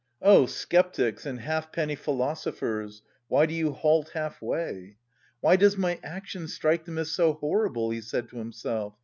Oh, sceptics and halfpenny philosophers, why do you halt half way! "Why does my action strike them as so horrible?" he said to himself.